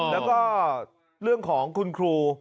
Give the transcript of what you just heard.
แล้วก็เรื่องของคุณครู